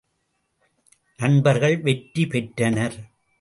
நண்பர்கள் வெற்றி பெற்றனர்.